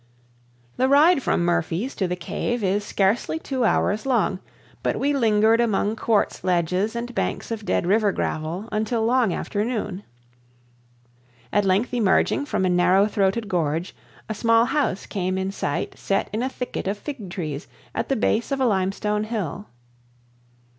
The ride from Murphy's to the cave is scarcely two hours long, but we lingered among quartz ledges and banks of dead river gravel until long after noon. At length emerging from a narrow throated gorge, a small house came in sight set in a thicket of fig trees at the base of a limestone hill.